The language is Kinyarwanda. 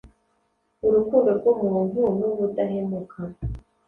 Urukundo rwumuntu nubudahemuka